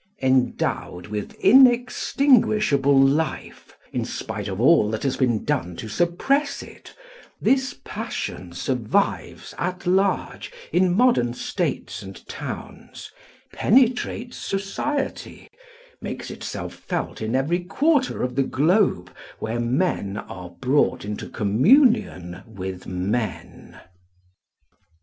Endowed with inextinguishable life, in spite of all that has been done to suppress it, this passion survives at large in modern states and towns, penetrates society, makes itself felt in every quarter of the globe where men are brought into communion with men.